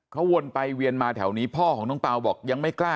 เขาวนไปเวียนมาแถวนี้พ่อของน้องเปล่าบอกยังไม่กล้า